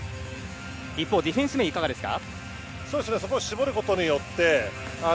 一方、ディフェンス面はいかがですか？